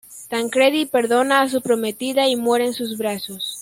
Tancredi perdona a su prometida y muere en sus brazos.